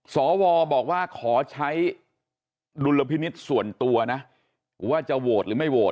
สวบอกว่าขอใช้ดุลพินิษฐ์ส่วนตัวนะว่าจะโหวตหรือไม่โหวต